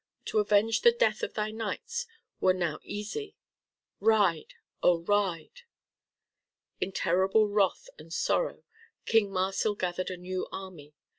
To avenge the death of thy knights were now easy. Ride! oh, ride!" In terrible wrath and sorrow King Marsil gathered a new army.